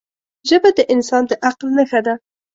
ژبه د انسان د عقل نښه ده